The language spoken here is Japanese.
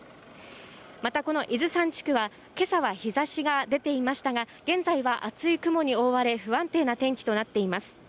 この伊豆山地区は今朝は日差しが出ていましたが、現在は厚い雲に覆われ、不安定な天気となっています。